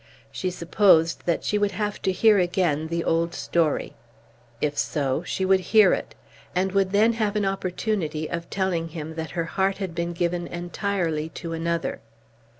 She supposed that she would have to hear again the old story. If so, she would hear it, and would then have an opportunity of telling him that her heart had been given entirely to another.